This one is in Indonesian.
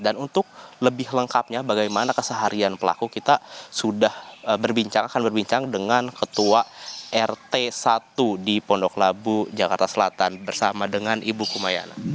dan untuk lebih lengkapnya bagaimana keseharian pelaku kita sudah berbincang dengan ketua rt satu di pondok labu jakarta selatan bersama dengan ibu kumayana